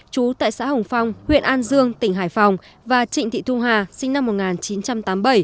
chú tại xã hồng phong huyện an dương tỉnh hải phòng và trịnh thị thu hà sinh năm một nghìn chín trăm tám mươi bảy